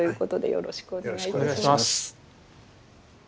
よろしくお願いします。